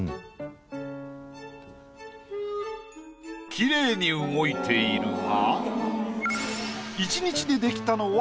きれいに動いているが。